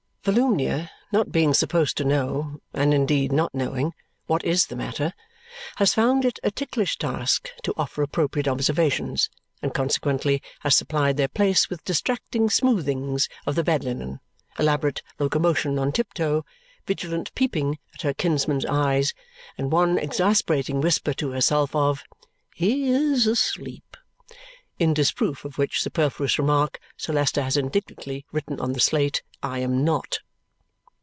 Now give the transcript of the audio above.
Volumnia, not being supposed to know (and indeed not knowing) what is the matter, has found it a ticklish task to offer appropriate observations and consequently has supplied their place with distracting smoothings of the bed linen, elaborate locomotion on tiptoe, vigilant peeping at her kinsman's eyes, and one exasperating whisper to herself of, "He is asleep." In disproof of which superfluous remark Sir Leicester has indignantly written on the slate, "I am not."